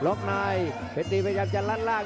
ล็อกล่างเบสดีประจำจะลั่นล่าง